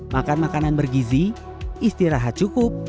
makan makanan bergizi istirahat cukup